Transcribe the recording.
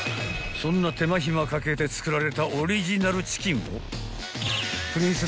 ［そんな手間暇かけて作られたオリジナルチキンを］